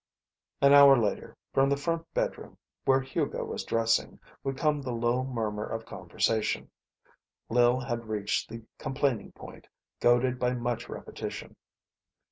An hour later, from the front bedroom, where Hugo was dressing, would come the low murmur of conversation. Lil had reached the complaining point, goaded by much repetition.